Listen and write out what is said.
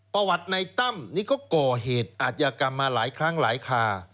ประวัติในตั้มนี่ก็ก่อเหตุอาจยากรรมมาหลายครั้งหลายคา